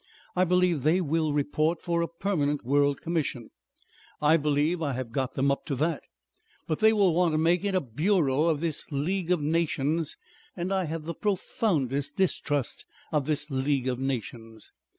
I believe they will report for a permanent world commission; I believe I have got them up to that; but they will want to make it a bureau of this League of Nations, and I have the profoundest distrust of this League of Nations.